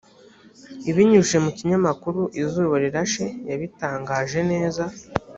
ibinyujije mu kinyamakuru izuba rirashe yabitangaje neza.